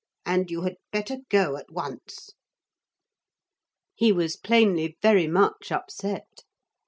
And you had better go at once.' He was plainly very much upset.